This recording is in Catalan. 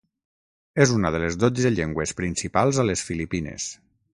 És una de les dotze llengües principals a les Filipines.